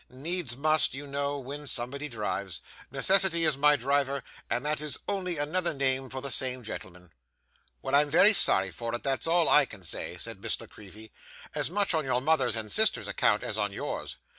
'Needs must, you know, when somebody drives. Necessity is my driver, and that is only another name for the same gentleman.' 'Well, I am very sorry for it; that's all I can say,' said Miss La Creevy; 'as much on your mother's and sister's account as on yours.